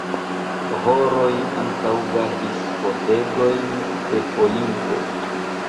Horoj ankaŭ gardis pordegojn de Olimpo.